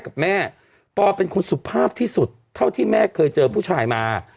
กับแม่ปอเป็นคนสุภาพที่สุดเท่าที่แม่เคยเจอผู้ชายมา